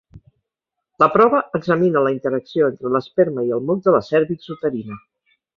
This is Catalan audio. La prova examina la interacció entre l'esperma i el moc de la cèrvix uterina.